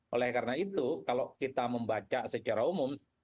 oleh karena itu kalau kita membaca secara umum